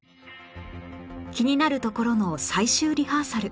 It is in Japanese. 気になるところの最終リハーサル